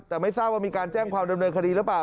แต่ไม่ทราบว่ามีการแจ้งความดำเนินคดีหรือเปล่า